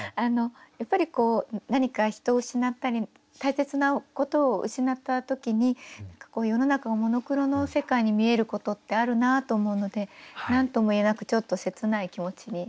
やっぱり何か人を失ったり大切なことを失った時に世の中がモノクロの世界に見えることってあるなと思うので何とも言えなくちょっと切ない気持ちに。